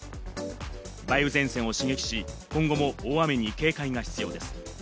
梅雨前線を刺激し、今後も大雨に警戒が必要です。